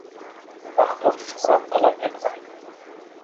Maqtov, shuhrat talab etmaydi.